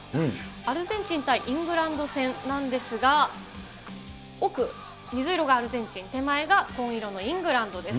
アルゼンチン対イングランド戦なんですが、奥、水色がアルゼンチン、手前が紺色のイングランドです。